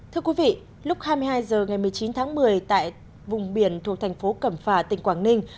thưa quý vị lúc hai mươi hai h ngày một mươi chín tháng một mươi tại vùng biển thuộc thành phố cẩm phả tỉnh quảng ninh